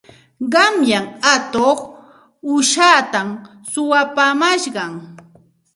Qanyan atuq uushatam suwapaamash.